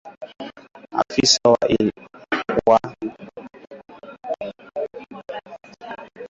afisa wa Ikulu ya Marekani alisema akizungumza kwa sharti la kutotajwa jina